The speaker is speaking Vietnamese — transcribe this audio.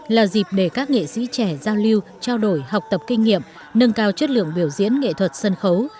là dịp để các nghệ sĩ trẻ giao lưu trao đổi học tập kinh nghiệm nâng cao chất lượng biểu diễn nghệ thuật sân khấu